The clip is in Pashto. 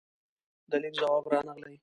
د لیک ځواب رانغلې